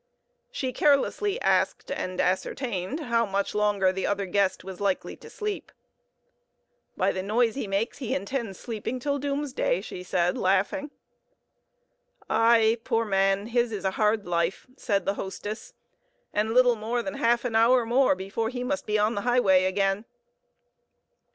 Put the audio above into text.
She carelessly asked and ascertained how much longer the other guest was likely to sleep. "By the noise he makes he intends sleeping till Doomsday," she said, laughing. "Ay, poor man! his is a hard life," said the hostess; "and little more than half an hour more before he must be on the highway again."